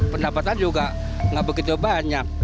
pendapatan juga nggak begitu banyak